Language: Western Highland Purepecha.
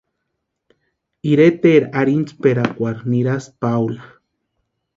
Iretaeri arhintsperakwarhu nirasti Paula.